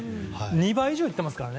２倍以上いってますから。